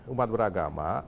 umat beragama